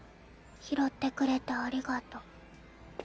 拾ってくれてありがと。